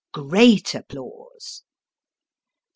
[great applause].